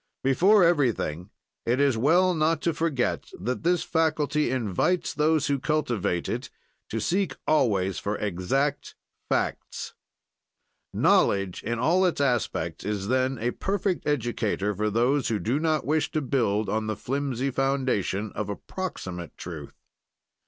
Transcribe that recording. "Before everything, it is well not to forget that this faculty invites those who cultivate it to seek always for exact facts. "Knowledge, in all its aspects is, then, a perfect educator for those who do not wish to build on the flimsy foundation of approximate truth.